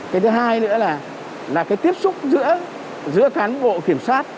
cái thứ hai nữa là cái tiếp xúc giữa cán bộ kiểm soát